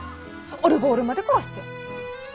オルゴールまで壊して。